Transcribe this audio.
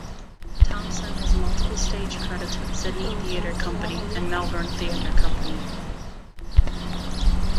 Thomson has multiple stage credits with the Sydney Theatre Company and Melbourne Theatre Company.